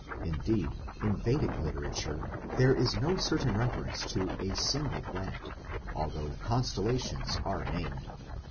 Indeed, in Vedic literature there is no certain reference to a single planet, although constellations are named.